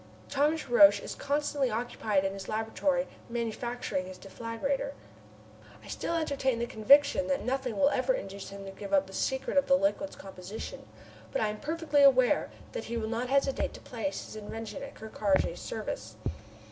Thomas Roch is constantly occupied in his laboratory manufacturing his deflagrator. I still entertain the conviction that nothing will ever induce him to give up the secret of the liquid's composition; but I am perfectly aware that he will not hesitate to place his invention at Ker Karraje's service.